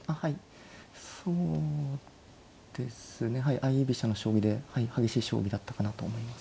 相居飛車の将棋で激しい将棋だったかなと思います。